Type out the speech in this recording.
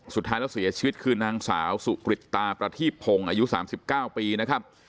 สุดท้ายแล้วเสียชีวิตคือนางสาวสุกริตตาประทีพพงศ์อายุ๓๙ปีนะครับ